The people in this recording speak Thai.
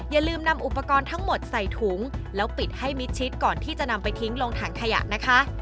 อย่าลืมนำอุปกรณ์ทั้งหมดใส่ถุงแล้วปิดให้มิดชิดก่อนที่จะนำไปทิ้งลงถังขยะนะคะ